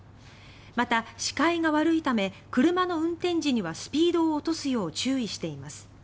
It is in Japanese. また、視界が悪いため車の運転時にはスピードを落とすよう注意しています。